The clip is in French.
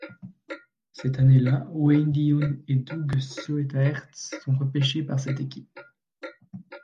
Cette année-là, Wayne Dillon et Doug Soetaert sont repêchés par cette équipe.